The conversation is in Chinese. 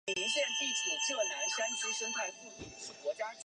县莅位于东兴市镇。